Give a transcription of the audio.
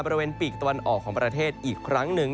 ปีกตะวันออกของประเทศอีกครั้งหนึ่ง